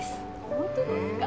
本当ですか？